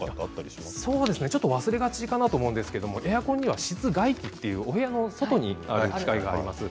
そうですねちょっと忘れがちかなと思うんですけどエアコンには室外機というお部屋の外にある機械があります。